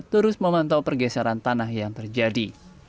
terus memantau pergeseran tanah yang terjadi